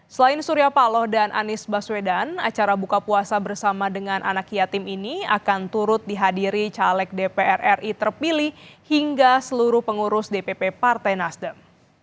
selain surya paloh dan anies baswedan acara buka puasa bersama dengan anak yatim ini akan turut dihadiri caleg dpr ri terpilih hingga seluruh pengurus dpp partai nasdem